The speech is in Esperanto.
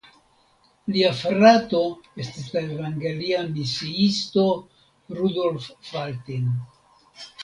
Lia frato estis la evangelia misiisto Rudolf Faltin.